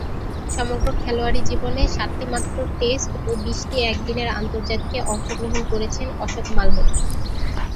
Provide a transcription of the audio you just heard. সমগ্র খেলোয়াড়ী জীবনে সাতটিমাত্র টেস্ট ও বিশটি একদিনের আন্তর্জাতিকে অংশগ্রহণ করেছেন অশোক মালহোত্রা।